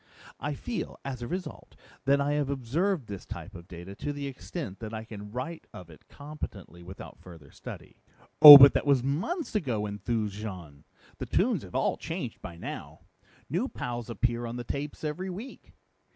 I feel, as a result, that I have observed this type of data to the extent that I can write of it competently without further study." "Oh, but that was months ago," enthused Jean. "The tunes have all changed by now. New pows appear on the tapes every week.